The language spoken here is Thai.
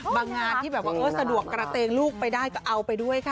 บางงานที่สะดวกกระเตงลูกไปได้ก็เอาไปด้วยค่ะ